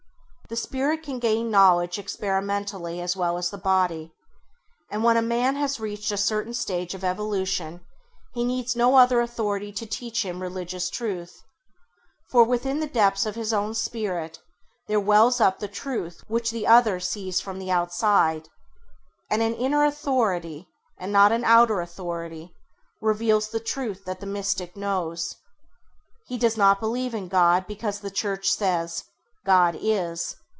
The Spirit can gain knowledge experimentally as well as the body, and when a man has reached a certain stage of evolution he needs no other authority to teach him religious truth, for within the depths of his own Spirit there wells up the truth which the other sees from the outside, and an inner authority and not an outer authority reveals the truth that the Mystic knows. He does not believe in God because the Church says: God is.